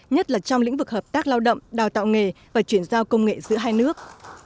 nhất là trong lĩnh vực hợp tác lao động đào tạo nghề và chuyển giao công nghệ giữa hai nước